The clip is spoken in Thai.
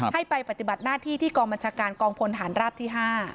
ให้ไปปฏิบัติหน้าที่ที่กองบัญชาการกองพลฐานราบที่๕